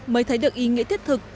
mới thấy được ý nghĩa thiết thực